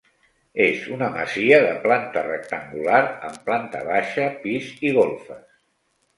És una masia de planta rectangular, amb planta baixa, pis i golfes.